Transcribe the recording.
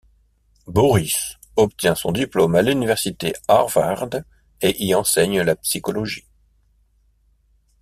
Boris obtient son diplôme à l'université Harvard, et y enseigne la psychologie.